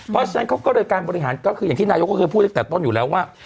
เพราะฉะนั้นเขาก็เลยการบริหารก็คืออย่างที่นายกก็เคยพูดตั้งแต่ต้นอยู่แล้วว่า